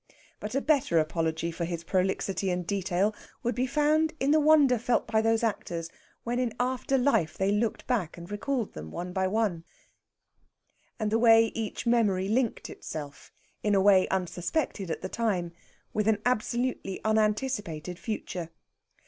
But a better apology for his prolixity and detail would be found in the wonder felt by those actors when in after life they looked back and recalled them one by one; and the way each memory linked itself, in a way unsuspected at the time, with an absolutely unanticipated future.